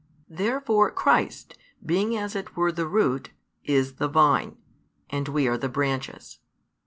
Therefore Christ, being as it were the root, is the Vine, and we are the branches.